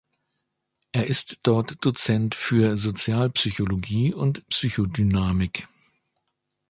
Er ist dort Dozent für Sozialpsychologie und Psychodynamik.